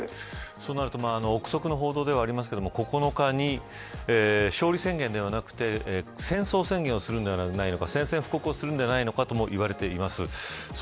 そうなると臆測の報道ではありますが、９日に勝利宣言ではなくて戦争宣言をするのではないのか宣戦布告をするのではないかともいわれています。